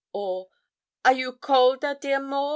or 'Are you cold a, dear Maud?'